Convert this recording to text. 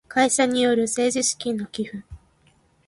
会社による政治資金の寄付